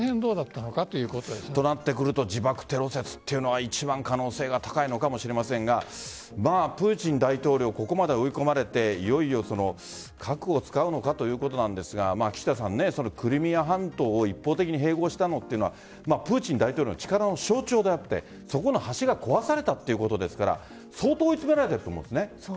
となってくると自爆テロ説が一番可能性が高いのかもしれませんがプーチン大統領ここまで追い込まれていよいよ核を使うのかということなんですが岸田さん、クリミア半島を一方的に併合したのというのはプーチン大統領の力の象徴であってそこの橋が壊されたということですから相当追い詰められていると思うんです。